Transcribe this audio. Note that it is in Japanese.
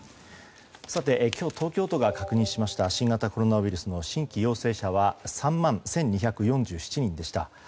今日、東京都が確認しました新型コロナウイルスの新規陽性者は３万１２４７人でした。